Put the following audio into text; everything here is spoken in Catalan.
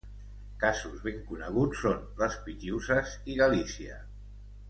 Casos ben coneguts són les Pitiüses i Galícia.